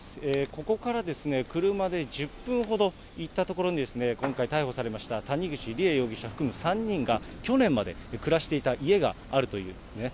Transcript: ここから車で１０分ほど行った所に、今回、逮捕されました谷口梨恵容疑者を含む３人が去年まで暮らしていた家があるというんですね。